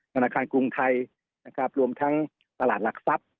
ธนาคารกรุงไทยนะครับรวมทั้งตลาดหลักทรัพย์